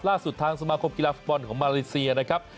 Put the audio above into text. ล่าสุดทางสมาคมกีฬาฝุ่นของมาเลเซียนะครับ